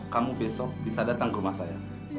kamu besok bisa datang ke rumah saya